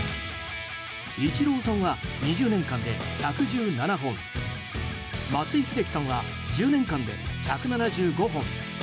イチローさんは２０年間で１１７本松井秀喜さんは１０年間で１７５本。